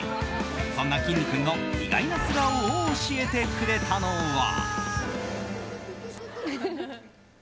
そんな、きんに君の意外な素顔を教えてくれたのは。